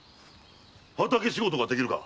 畑仕事ができるか？